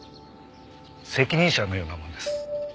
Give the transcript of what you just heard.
責任者のようなもんです。